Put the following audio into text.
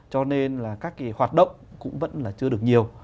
cho nên là các cái hoạt động cũng vẫn là chưa được nhiều